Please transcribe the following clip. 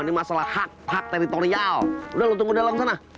ini masalah hak hak teritorial udah lo tunggu di dalam sana